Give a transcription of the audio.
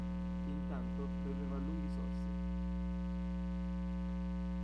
Intanto beveva a lunghi sorsi.